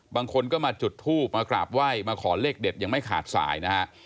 บางคนก็มาจุดทูบมากราบไหว้มาขอเลขเด็ดยังไม่ขาดสายนะฮะ